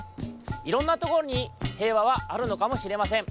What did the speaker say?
いろんなところに平和はあるのかもしれません。